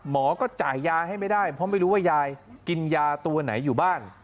หมอก็จ่ายยาให้ไม่ได้เพราะไม่รู้ว่ายายกินยาตัวไหนอยู่บ้าน